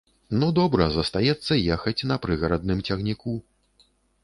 Ну добра, застаецца ехаць на прыгарадным цягніку.